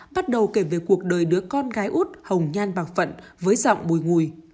bắt đầu kể về cuộc đời đứa con gái út hồng nhan bàng phận với giọng bùi ngùi